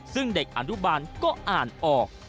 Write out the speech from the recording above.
ซึ่งเด็กอนุบาลก็อ่านออก